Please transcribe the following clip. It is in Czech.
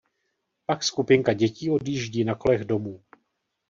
Pak skupinka dětí odjíždí na kolech domů.